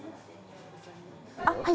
あっはい。